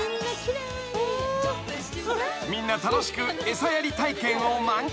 ［みんな楽しく餌やり体験を満喫］